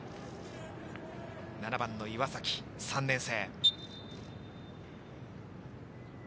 ７番の岩崎、３年生。